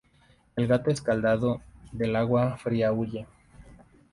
El gato escaldado, del agua fría huye